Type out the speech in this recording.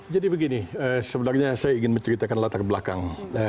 jadi begini sebenarnya saya ingin menceritakan latar belakang